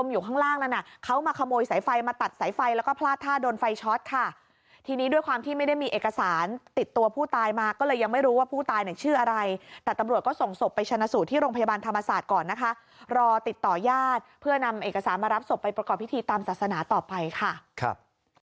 ยังไม่รู้ว่าผู้ตายเนี่ยชื่ออะไรแต่ตำรวจก็ส่งศพไปชนะสู่ที่โรงพยาบาลธรรมศาสตร์ก่อนนะคะรอติดต่อยาศเพื่อนำเอกสารมารับศพไปประกอบพิธีตามศาสนาต่อไปค่ะครับ